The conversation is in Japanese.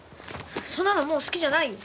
そんなのもう好きじゃないよ。